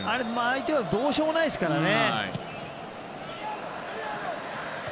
相手はどうしようもないですからね。